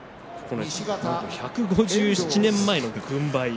１５７年前の軍配。